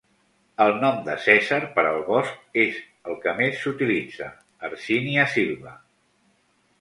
El nom de Cèsar per al bosc és el que més s'utilitza: Hercynia Silva.